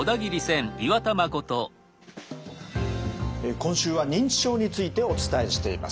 今週は認知症についてお伝えしています。